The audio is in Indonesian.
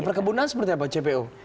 perkebunan seperti apa cpu